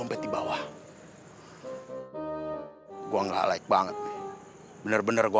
ngertiin juga kalau bukan gue nyuri